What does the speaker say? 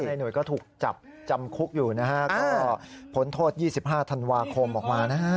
ชายหนุ่ยก็อยู่ก็ถูกจับจำคลุกอยู่นะฮะก็ผลทศส๒๕ธาชนาทีธันวาคมออกมานะฮะ